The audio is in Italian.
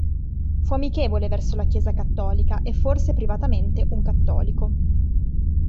Fu amichevole verso la Chiesa cattolica e forse privatamente un cattolico.